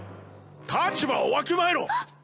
立場をわきまえろ！